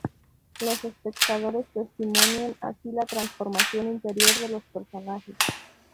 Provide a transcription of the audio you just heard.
Los espectadores testimonian así la transformación interior de los personajes.